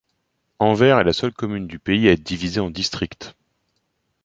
Anvers est la seule commune du pays à être divisée en districts.